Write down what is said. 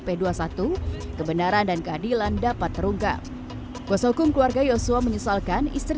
p dua puluh satu kebenaran dan keadilan dapat terungkap kuasa hukum keluarga yosua menyesalkan istri